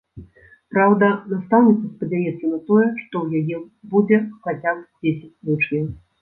Праўда, настаўніца спадзяецца на тое, што ў яе будзе хаця б дзесяць вучняў.